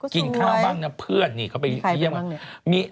กูส่งไว้อ่อนิเขาไปเชี่ยว